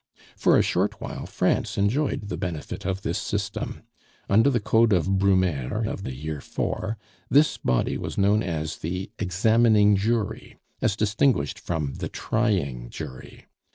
For a short while France enjoyed the benefit of this system. Under the Code of Brumaire of the year IV., this body was known as the examining jury, as distinguished from the trying jury.